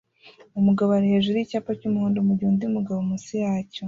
Umugabo ari hejuru yicyapa cyumuhondo mugihe undi mugabo munsi yacyo